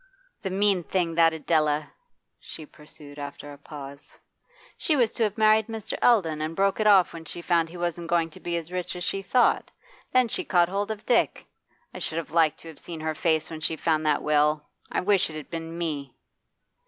'The mean thing, that Adela!' she pursued after a pause. 'She was to have married Mr. Eldon, and broke it off when she found he wasn't going to be as rich as she thought; then she caught hold of Dick. I should like to have seen her face when she found that will! I wish it had been me!